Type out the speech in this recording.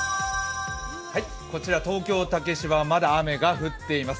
こちら東京・竹芝はまだ雨が降っています。